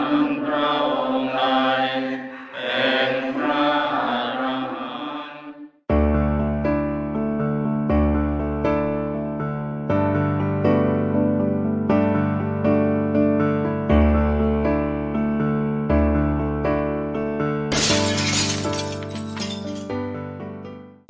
ทั้งเวลาไงเป็นพระราช